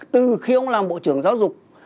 từ khi ông làm bộ trưởng giáo dục